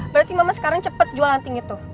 berarti mama sekarang cepet jual anting itu